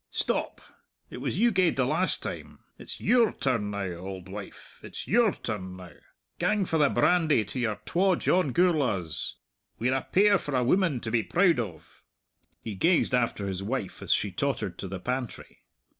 Stop; it was you gaed the last time it's your turn now, auld wife, it's your turn now! Gang for the brandy to your twa John Gourla's. We're a pair for a woman to be proud of!" He gazed after his wife as she tottered to the pantry.